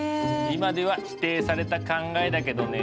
今では否定された考えだけどね。